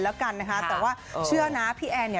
นะคะเราเชื่อนะพี่แอด